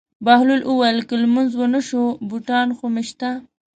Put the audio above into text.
بهلول وویل: که لمونځ ونه شو بوټان خو مې شته.